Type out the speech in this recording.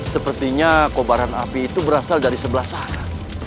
sepertinya kobaran api itu berasal dari sebelah sana